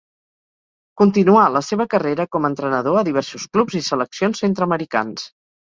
Continuà la seva carrera com a entrenador a diversos clubs i seleccions centre-americans.